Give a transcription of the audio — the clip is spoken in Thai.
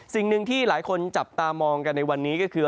สิ่งหนึ่งที่หลายคนจับตามองกันในวันนี้ก็คือ